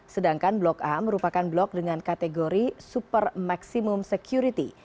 sedangkan blok a merupakan blok dengan kategori super maximum security